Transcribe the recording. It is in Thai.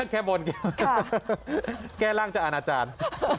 แก้บนแก้ร่างจะอาณาจารย์